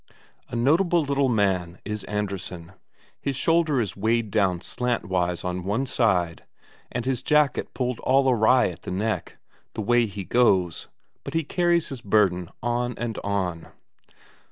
A notable little man is Andresen; his shoulder is weighed down slantwise on one side, and his jacket pulled all awry at the neck, the way he goes, but he carries his burden on and on.